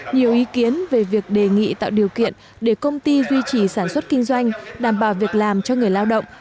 nhiều ý kiến về việc đề nghị tạo điều kiện để công ty duy trì sản xuất kinh doanh đảm bảo việc làm cho người lao động